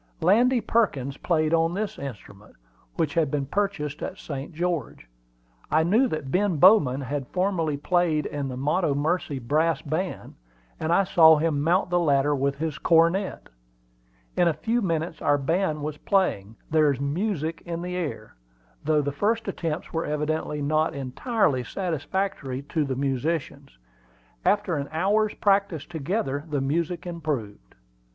Landy Perkins played on this instrument, which had been purchased at St. George. I knew that Ben Bowman had formerly played in the Montomercy Brass Band, and I saw him mount the ladder with his cornet. In a few minutes our band was playing "There's music in the air," though the first attempts were evidently not entirely satisfactory to the musicians. After an hour's practice together the music improved.